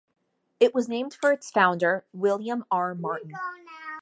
It was named for its founder, William R. Martin.